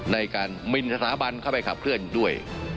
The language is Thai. ในการมินสถาบันเข้าไปขับเคลื่อนด้วย